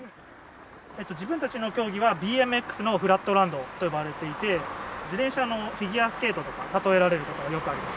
えっと自分たちの競技はＢＭＸのフラットランドと呼ばれていて自転車のフィギュアスケートとか例えられる事はよくあります。